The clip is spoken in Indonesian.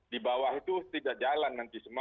di bawah itu tidak jalan nanti semua